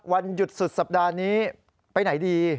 วันหยุดสุดสัปดาห์นี้ไปไหนดี